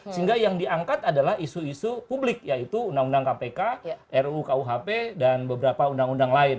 sehingga yang diangkat adalah isu isu publik yaitu undang undang kpk ru kuhp dan beberapa undang undang lain